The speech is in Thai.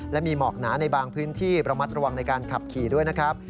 และมีหมอกหนาในบางพื้นที่ระมัดระวังในการขับขี่ด้วยนะครับ